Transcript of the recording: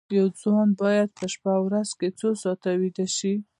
یو ځوان باید په شپه او ورځ کې څو ساعته ویده شي